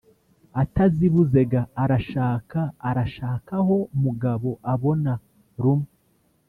atazibuze ga! arashaka, arashaka aho mugabo abona rumw